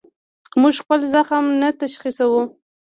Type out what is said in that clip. موږ خپل زخم نه تشخیصوو.